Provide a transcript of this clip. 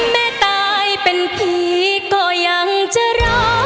แม่ตายเป็นผีก็ยังจะรอ